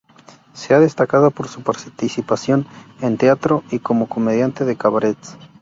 Se ha destacado por su participación en teatro y como comediante de cabarets.